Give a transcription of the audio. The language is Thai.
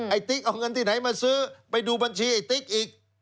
ติ๊กเอาเงินที่ไหนมาซื้อไปดูบัญชีไอ้ติ๊กอีก